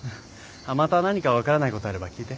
また何か分からないことあれば聞いて。